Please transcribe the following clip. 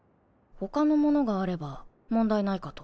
他のものがあれば問題ないかと。